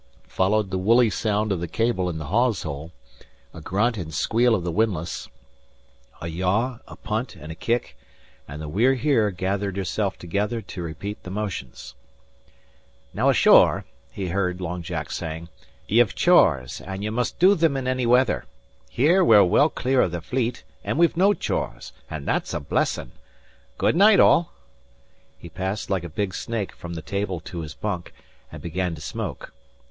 Followed the woolly sound of the cable in the hawse hole; and a grunt and squeal of the windlass; a yaw, a punt, and a kick, and the We're Here gathered herself together to repeat the motions. "Now, ashore," he heard Long Jack saying, "ye've chores, an' ye must do thim in any weather. Here we're well clear of the fleet, an' we've no chores an' that's a blessin'. Good night, all." He passed like a big snake from the table to his bunk, and began to smoke.